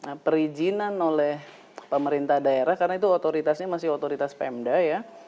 nah perizinan oleh pemerintah daerah karena itu otoritasnya masih otoritas pemda ya